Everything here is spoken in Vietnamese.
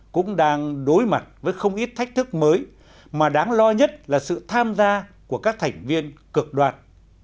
cũng đang đối mặt với không ít thách thức mới mà đáng lo nhất là sự tham gia của các thành viên cực đoạt